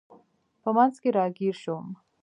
په منځ کې راګیر شوم.